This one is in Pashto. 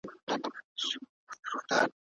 څنګه کولای سو سرحد د خپلو ګټو لپاره وکاروو؟